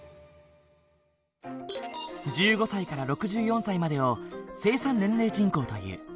１５歳から６４歳までを生産年齢人口という。